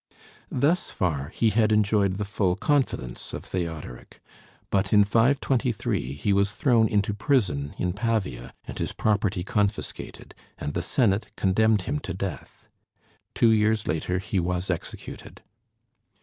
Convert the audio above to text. Thus far he had enjoyed the full confidence of Theodoric; but in 523 he was thrown into prison in Pavia and his property confiscated, and the Senate condemned him to death. Two years later he was executed.